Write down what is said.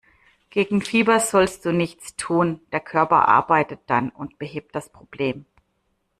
Gegen Fieber sollst du nichts tun, der Körper arbeitet dann und behebt das Problem.